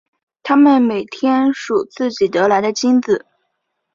他们每天数自己得来的金子。